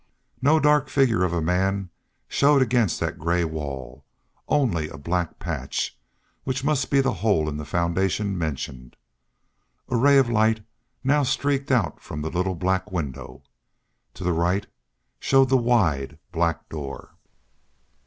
No dark figure of a man showed against that gray wall only a black patch, which must be the hole in the foundation mentioned. A ray of light now streaked out from the little black window. To the right showed the wide, black door.